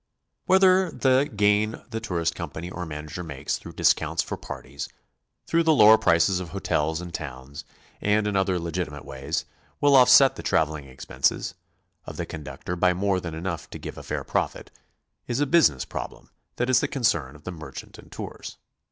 Whether t/he gain the tourist company or manager makes through dis ' counts for parties, through the lower prices of hotels in towns, and in other legitimate ways, will offset the traveling expenses of the conductor by more than enough to give a fair profit, is a business problem that is the concern of the merchant in tours.